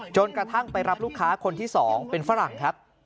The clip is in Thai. จนกระทั่งไปรับลูกค้าคนที่๒เป็นฝรั่งครับ